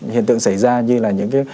hiện tượng xảy ra như là những cái